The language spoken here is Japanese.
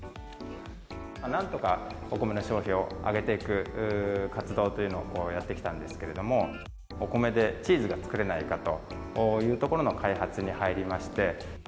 なんとかお米の消費を上げていく活動というのをやってきたんですけれども、お米でチーズが作れないかというところの開発に入りまして。